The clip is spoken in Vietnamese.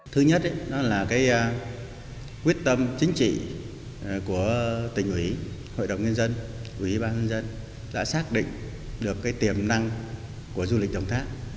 thứ nhất đó là quyết tâm chính trị của tỉnh ủy hội đồng nhân dân ủy ban nhân dân đã xác định được cái tiềm năng của du lịch đồng tháp